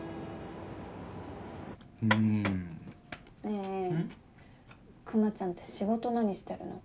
ねえくまちゃんって仕事何してるの？